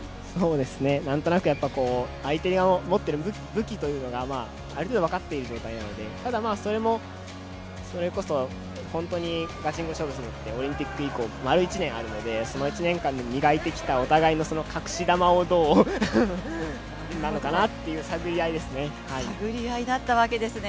何となく、相手の持ってる武器というのがある程度、分かっている状態なのでただ、それもそれこそ本当にガチンコ勝負するのってオリンピック以降、丸１年あるのでその１年間磨いてきたお互いの隠し玉をどうなのかなという探り合いですね。